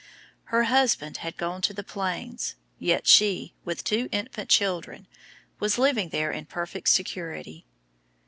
Her husband had gone to the Plains, yet she, with two infant children, was living there in perfect security.